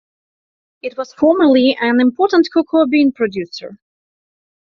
It was formerly an important cocoa bean producer.